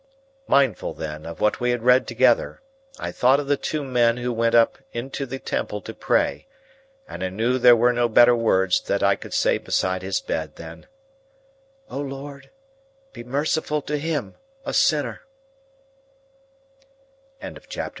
Mindful, then, of what we had read together, I thought of the two men who went up into the Temple to pray, and I knew there were no better words that I could say beside his bed, than "O Lord, be merciful to him a sinner!" Chapter LVII.